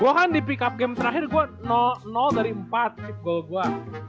gua kan di pick up game terakhir gua dari empat chip goal gua